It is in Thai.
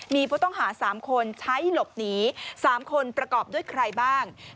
มีผู้ต้องหา๓คนใช้หลบหนี๓คนประกอบด้วยใครบ้าง